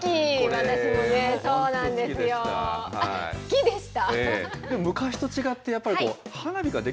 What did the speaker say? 私好きでした？